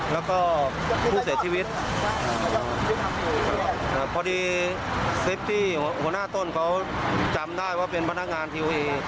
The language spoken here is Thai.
แล้วก็ผู้เสียชีวิตพอดีคลิปที่หัวหน้าต้นเขาจำได้ว่าเป็นพนักงานทีวี